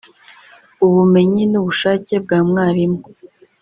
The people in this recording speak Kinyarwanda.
ubumenyi n’ubushake bwa mwarimu